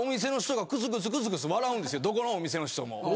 どこのお店の人も。